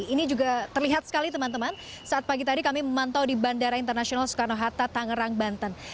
ini juga terlihat sekali teman teman saat pagi tadi kami memantau di bandara internasional soekarno hatta tangerang banten